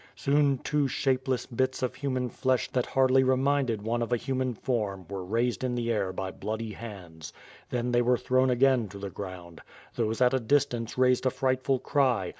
Soon two shapeless bits of human flesh that hardly reminded one of a human form, were raised in the air by bloody hands. Then they were thrown again to the ground. Those at a distance raised a frightful cry.